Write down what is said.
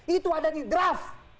itu ada di draft